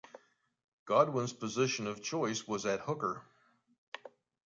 Godwins's position of choice was at hooker.